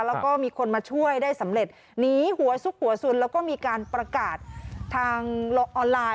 แล้วก็มีคนมาช่วยได้สำเร็จหนีหัวซุกหัวสุนแล้วก็มีการประกาศทางออนไลน์